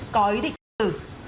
có ý định tự tử